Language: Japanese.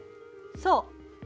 そう。